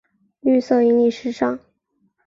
绿色引领时尚。